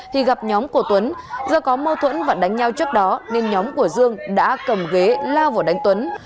thì gặp nhóm của tuấn do có mâu thuẫn và đánh nhau trước đó nên nhóm của dương đã cầm ghế lao vào đánh tuấn